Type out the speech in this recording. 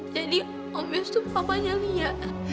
jadi om yusuf papanya lia